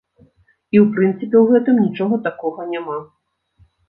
І ў прынцыпе ў гэтым нічога такога няма.